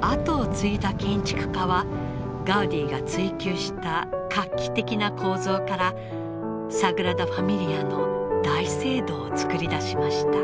あとを継いだ建築家はガウディが追究した画期的な構造からサグラダ・ファミリアの大聖堂を造り出しました。